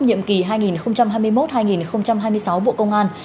nhiệm kỳ hai nghìn hai mươi một hai nghìn hai mươi sáu bộ công an